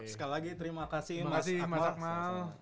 sekali lagi terima kasih mas akmal